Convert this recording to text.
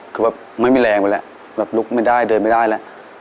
คือแบบไม่มีแรงไปแล้วแบบลุกไม่ได้เดินไม่ได้แล้ว